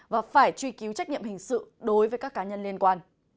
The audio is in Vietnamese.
và phải truy cứu trách nhiệm hình sự đối với các cá nhân liên quan